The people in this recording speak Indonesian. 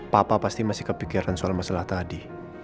papa pasti masih kepikiran soal masalah tadi